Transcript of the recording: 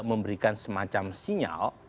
memberikan semacam sinyal